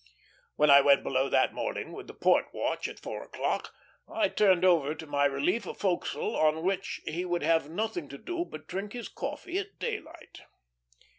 When I went below that morning with the port watch, at four o'clock, I turned over to my relief a forecastle on which he would have nothing to do but drink his coffee at daylight.